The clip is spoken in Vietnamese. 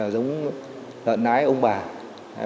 giống lợn lái ông bà